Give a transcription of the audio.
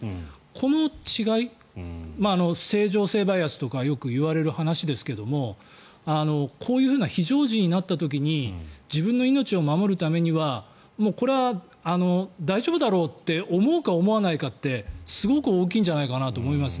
この違い、正常性バイアスとかよくいわれる話ですがこういうふうな非常時になった時に自分の命を守るためにはこれは大丈夫だろうって思うか思わないかってすごく大きいんじゃないかなと思います。